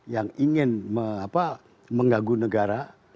yang ingin menggaguh negara